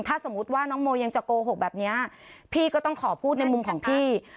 ถ้าสมมุติว่าน้องโมยังจะโกหกแบบนี้พี่ก็ต้องขอพูดในมุมของพี่